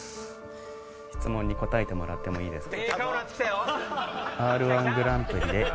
質問に答えてもらってもいいですか？